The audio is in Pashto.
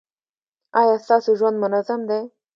ایا ستاسو ژوند منظم دی؟